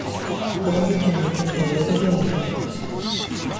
ロワレ県の県都はオルレアンである